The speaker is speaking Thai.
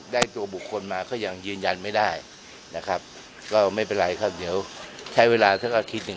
ตัวบุคคลมาก็ยังยืนยันไม่ได้นะครับก็ไม่เป็นไรครับเดี๋ยวใช้เวลาสักอาทิตย์หนึ่ง